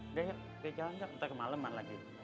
udah ya ya kita jalan nero ntar ke malaman lagi